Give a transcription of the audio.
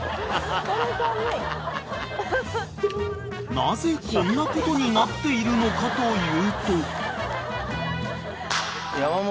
［なぜこんなことになっているのかというと］